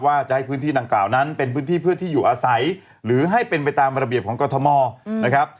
ว่าจะให้พื้นที่ดังกล่าวนั้นเป็นพื้นที่เพื่อที่อยู่อาศัยหรือให้เป็นไปตามระเบียบของกรทมนะครับ